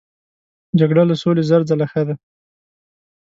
جګړه له سولې زر ځله ښه ده.